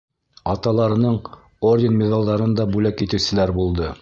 Аталарының орден-миҙалдарын да бүләк итеүселәр булды.